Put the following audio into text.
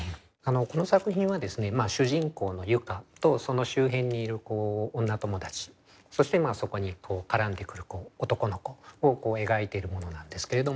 この作品はですね主人公の結佳とその周辺にいる女友達そしてそこに絡んでくる男の子を描いているものなんですけれど。